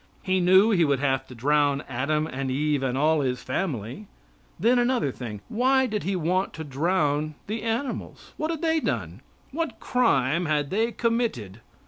He knew He would have to drown Adam and Eve and all his family. Then another thing, why did He want to drown the animals? What had they done? What crime had they committed?